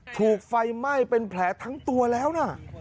ถูกไฟไหม้เป็นแผลทั้งตัวแล้วนะ